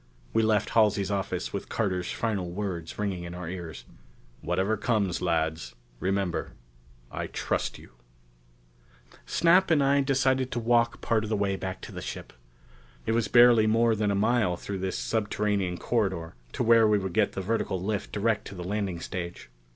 We left Halsey's office with Carter's final words ringing in our ears. "Whatever comes, lads, remember I trust you...." Snap and I decided to walk part of the way back to the ship. It was barely more than a mile through this subterranean corridor to where we could get the vertical lift direct to the landing stage.